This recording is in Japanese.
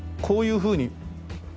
こういうふうに。